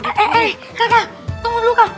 eh eh kakak tunggu dulu kak